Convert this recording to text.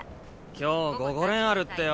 今日午後練あるってよ。